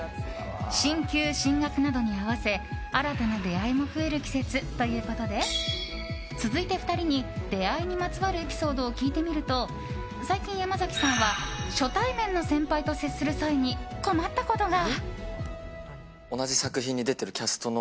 進級・進学などに合わせ新たな出会いも増える季節ということで続いて２人に、出会いにまつわるエピソードを聞いてみると最近、山崎さんは初対面の先輩と接する際に困ったことが。